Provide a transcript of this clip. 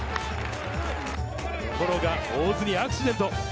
ところが大津にアクシデント。